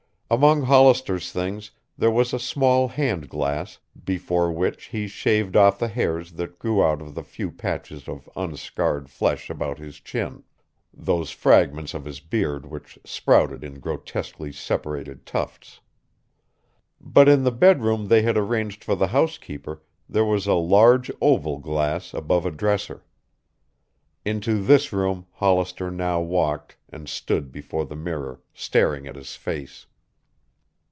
Among Hollister's things there was a small hand glass before which he shaved off the hairs that grew out of the few patches of unscarred flesh about his chin, those fragments of his beard which sprouted in grotesquely separated tufts. But in the bedroom they had arranged for the housekeeper there was a large oval glass above a dresser. Into this room Hollister now walked and stood before the mirror staring at his face.